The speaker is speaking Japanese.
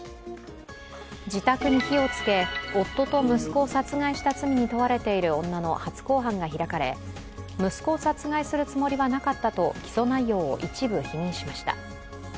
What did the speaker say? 自宅に火をつけ夫と息子を殺害した罪に問われている女の初公判が開かれ、息子を殺害するつもりはなかったと起訴内容を一部否認しました。